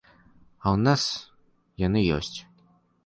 А ў нас яны ёсць.